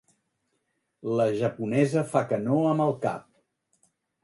La japonesa fa que no amb el cap.